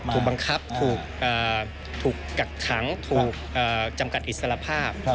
ถูกบังคับถูกกักขังถูกจำกัดอิสระภาพ